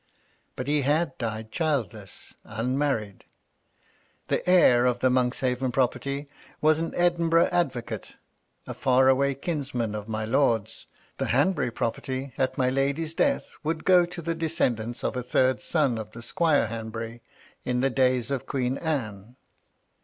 But he had died, childless, unmarried. The heir of the Monkshaven property was an Edinburgh advocate, a far away kinsman of my lord's : the Hanbury pro perty, at my lady's death, would go to the descendants of a third son of the Squire Hanbury hi the days of Queen Anne.